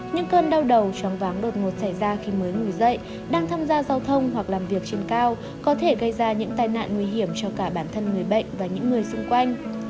những cơn đau đầu chóng váng đột ngột xảy ra khi mới nổi dậy đang tham gia giao thông hoặc làm việc trên cao có thể gây ra những tai nạn nguy hiểm cho cả bản thân người bệnh và những người xung quanh